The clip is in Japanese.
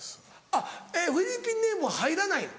あっフィリピンネームは入らないの？